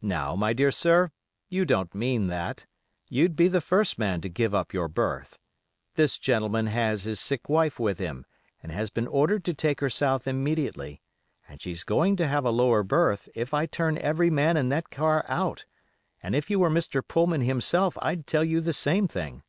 'Now, my dear sir, you don't mean that: you'd be the first man to give up your berth; this gentleman has his sick wife with him and has been ordered to take her South immediately, and she's going to have a lower berth if I turn every man in that car out, and if you were Mr. Pullman himself I'd tell you the same thing.